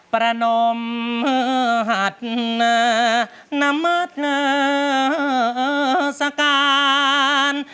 ประนมหัตถ์น้ำมัดสการ